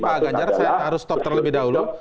pak ganjar saya harus stop terlebih dahulu